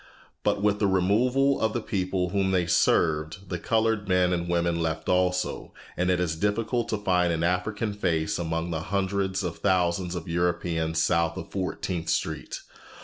But with the removal of the people whom they served, the colored men and women left also, and it is difficult to find an African face among the hundreds of thousands of Europeans south of Fourteenth Street.